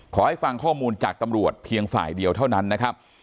ฟังข้อมูลจากตำรวจเพียงฝ่ายเดียวเท่านั้นนะครับ